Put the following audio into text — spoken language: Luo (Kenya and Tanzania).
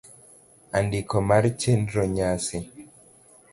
Andiko mar chenro nyasi: